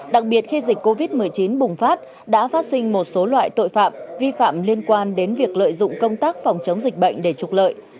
đặc biệt khi dịch covid một mươi chín bùng phát đã phát sinh một số loại tội phạm vi phạm liên quan đến việc lợi dụng công tác phòng chống dịch bệnh để trục lợi